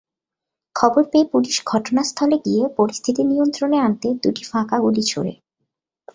খবর পেয়ে পুলিশ ঘটনাস্থলে গিয়ে পরিস্থিতি নিয়ন্ত্রণে আনতে দুটি ফাঁকা গুলি ছোড়ে।